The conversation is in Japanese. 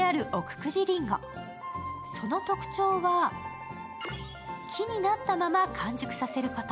久慈りんご、その特徴は木になったまま完熟させること。